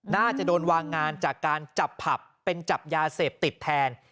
น่าจะโดนวางงานจากการจับผับเป็นจับยาเสพติดแทน